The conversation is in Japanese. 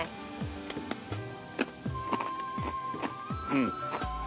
うん。